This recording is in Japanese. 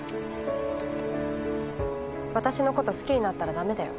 私の事好きになったら駄目だよ。